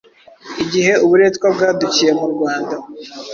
igihe uburetwa bwadukiye mu Rwanda.